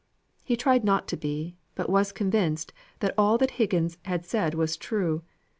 He tried not to be, but was convinced that all that Higgins had said was true.